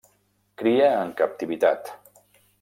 Cria en captivitat.